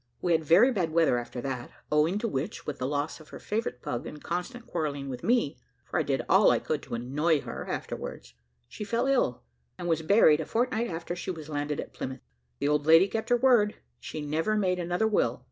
We had very bad weather after that, owing to which, with the loss of her favourite pug, and constant quarrelling with me for I did all I could to annoy her afterwards she fell ill, and was buried a fortnight after she was landed at Plymouth. The old lady kept her word; she never made another will.